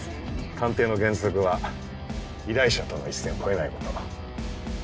探偵の原則は依頼者との一線を越えないこと。